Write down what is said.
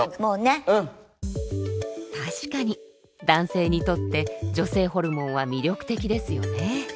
確かに男性にとって女性ホルモンは魅力的ですよね。